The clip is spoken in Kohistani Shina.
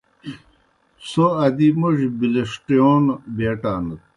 څھوْ ادی موْڙیْ بِلِݜٹِیون بیٹانَن۔